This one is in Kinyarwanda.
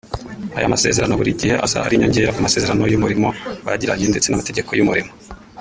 Aya masezerano buri gihe aza ari inyongera ku masezerano y’umurimo bagiranye ndetse n’amategeko y’umurimo